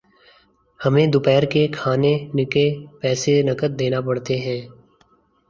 ہمیں دوپہر کے کھانےنکے پیسے نقد دینا پڑتے ہیں